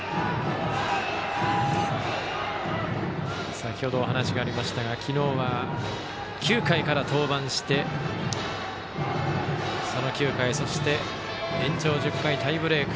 先ほどお話がありましたが昨日は、９回から登板してその９回そして延長１０回タイブレーク。